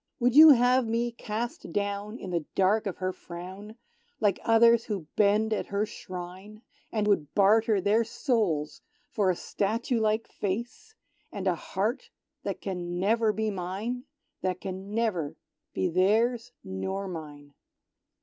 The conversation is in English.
Would you have me cast down in the dark of her frown, Like others who bend at her shrine; And would barter their souls for a statue like face, And a heart that can never be mine? That can never be theirs nor mine.